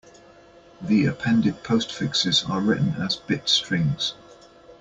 The appended postfixes are written as bit strings.